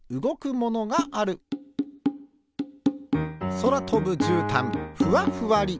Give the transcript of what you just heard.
そらとぶじゅうたんふわふわり。